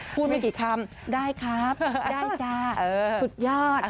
ไม่กี่คำได้ครับได้จ้าสุดยอด